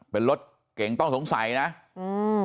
เป็นรถเก่งต้องสงสัยนะอืม